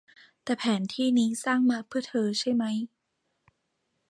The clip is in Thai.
แต่แผนที่นี้สร้างมาเพื่อเธอ ใช่มั้ย